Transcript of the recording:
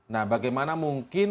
nah bagaimana mungkin